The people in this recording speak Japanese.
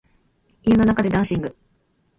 家の中でダンシング